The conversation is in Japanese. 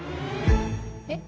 えっ？